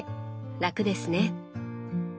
楽ですね。